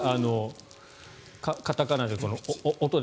カタカナで、音で。